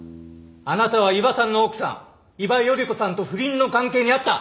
あなたは伊庭さんの奥さん伊庭頼子さんと不倫の関係にあった。